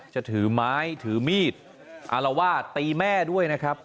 จะถือไม้ถือมีดอารวาสตีแม่ด้วยนะครับ